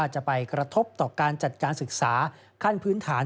จะไปกระทบต่อการจัดการศึกษาขั้นพื้นฐาน